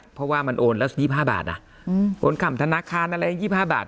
เพราะว่ามันโอนละ๒๕บาทโอนขำธนาคารอะไร๒๕บาท